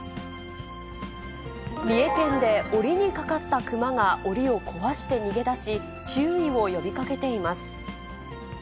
三重県でおりにかかったクマがおりを壊して逃げ出し、注意を呼びかけています。